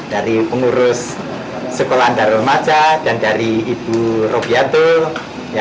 dari pengurus sekolah darul mazagunawan dan dari ibu robiatul